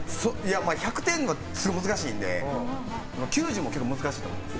１００点は難しいので９０も結構難しいと思います。